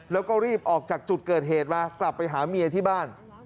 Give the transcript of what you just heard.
แล้วก็รีบออกจากจุดเกิดเหตุมากลับไปหาเมียที่บ้าน